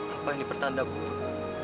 apa ini pertanda buruk